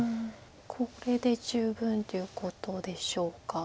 これで十分ということでしょうか。